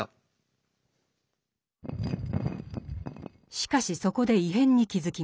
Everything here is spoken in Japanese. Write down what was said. しかしそこで異変に気付きます。